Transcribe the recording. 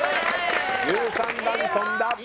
１３段跳んだ。